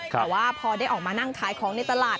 แต่ว่าพอได้ออกมานั่งขายของในตลาด